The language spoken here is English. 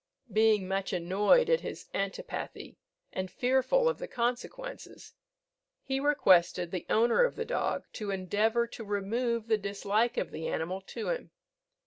Being much annoyed at his antipathy and fearful of the consequences, he requested the owner of the dog to endeavour to remove the dislike of the animal to him.